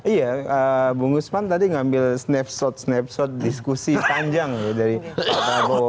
iya bu guzman tadi mengambil snapshot snapshot diskusi panjang dari pak prabowo